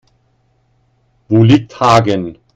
Wo liegt Hagen?